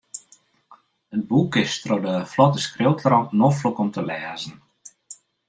It boek is troch de flotte skriuwtrant noflik om te lêzen.